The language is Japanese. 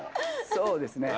そうですね。